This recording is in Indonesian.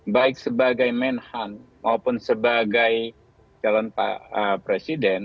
baik sebagai main hand maupun sebagai calon pak presiden